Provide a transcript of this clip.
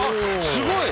すごい！